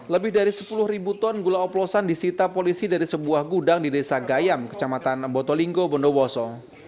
lebih dari sepuluh ribu ton gula oplosan disita polisi dari sebuah gudang di desa gayam kecamatan botolinggo bondowoso